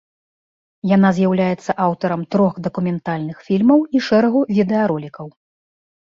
Яна з'яўляецца аўтарам трох дакументальных фільмаў і шэрагу відэаролікаў.